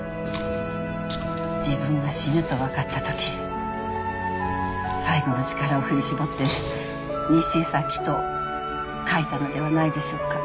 自分が死ぬと分かったとき最後の力を振り絞って「にしさき」と書いたのではないでしょうか。